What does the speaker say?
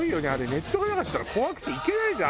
ネットがなかったら怖くて行けないじゃん